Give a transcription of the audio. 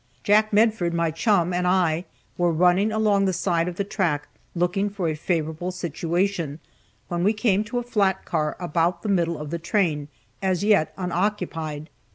Jack Medford (my chum) and I were running along the side of the track looking for a favorable situation, when we came to a flat car about the middle of the train, as yet unoccupied.